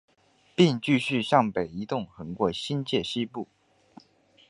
并继续向北移动横过新界西部。